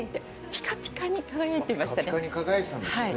ピカピカに輝いてたんですって。